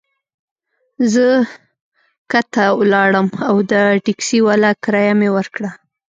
زه کښته ولاړم او د ټکسي والا کرایه مي ورکړه.